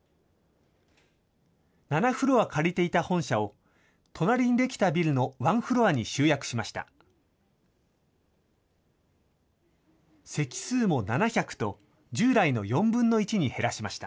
７フロア借りていた本社を隣に出来たビルのワンフロアに集約しました。